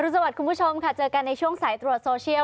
สวัสดีคุณผู้ชมค่ะเจอกันในช่วงสายตรวจโซเชียล